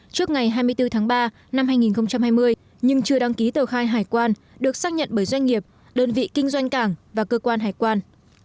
trước ngày hai mươi bốn tháng ba năm hai nghìn hai mươi nhưng chưa đăng ký tờ khai hải quan được xác nhận bởi doanh nghiệp đơn vị kinh doanh cảng và cơ quan hải quan